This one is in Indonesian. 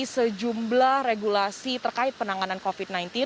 sejumlah regulasi terkait penanganan covid sembilan belas